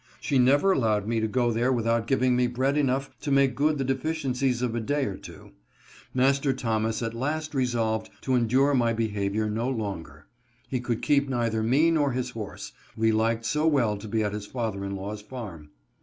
She never allowed me to go there without giv ing me bread enough to make good the deficiencies ©f a day or two. Master Thomas at last resolved to endure my behavior no longer; he could keep neither me nor his horse, we liked so well to be at his father in law's farm.